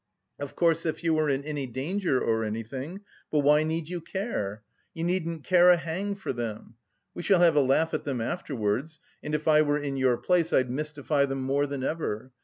Of course if you were in any danger or anything, but why need you care? You needn't care a hang for them. We shall have a laugh at them afterwards, and if I were in your place I'd mystify them more than ever.